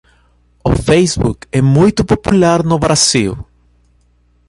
O Facebook é muito popular no Brasil